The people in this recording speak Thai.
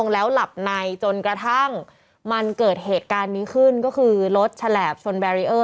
แล้วหลับในจนกระทั่งมันเกิดเหตุการณ์นี้ขึ้น